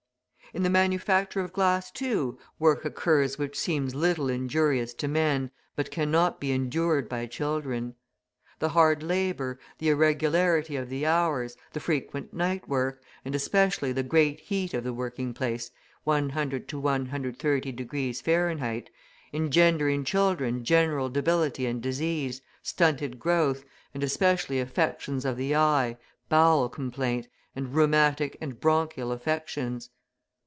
In the manufacture of glass, too, work occurs which seems little injurious to men, but cannot be endured by children. The hard labour, the irregularity of the hours, the frequent night work, and especially the great heat of the working place (100 to 130 Fahrenheit), engender in children general debility and disease, stunted growth, and especially affections of the eye, bowel complaint, and rheumatic and bronchial affections.